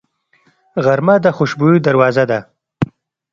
غرمه د خوشبویو دروازه ده